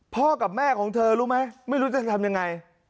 กับแม่ของเธอรู้ไหมไม่รู้จะทำยังไง